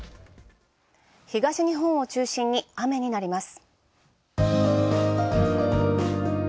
東日本を中心に雨になります。